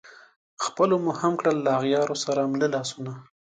خلپو مو هم کړل له اغیارو سره مله لاسونه